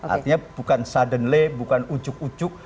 artinya bukan suddenly bukan ujuk ujuk